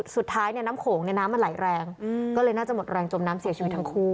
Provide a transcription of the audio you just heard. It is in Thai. สุดท้ายเนี่ยน้ำโขงเนี่ยน้ำมันไหลแรงก็เลยน่าจะหมดแรงจมน้ำเสียชีวิตทั้งคู่